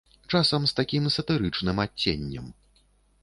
Часам з такім сатырычным адценнем.